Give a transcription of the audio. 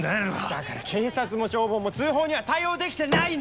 だから警察も消防も通報には対応できてないんですよ！